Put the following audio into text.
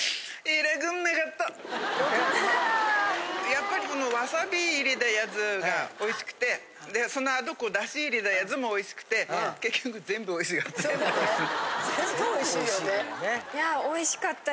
やっぱりこのワサビ入れたやつがおいしくて、そのあと、だし入れたやつもおいしくて、結局、全部おいしかった。